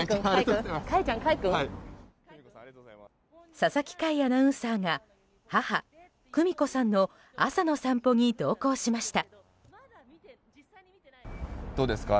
佐々木快アナウンサーが母・久美子さんの朝の散歩に同行しました。